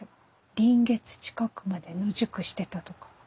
臨月近くまで野宿してたとか。